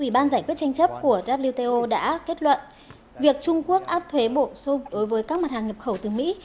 ủy ban giải quyết tranh chấp của wto đã kết luận việc trung quốc áp thuế bổ sung đối với các mặt hàng nhập khẩu từ mỹ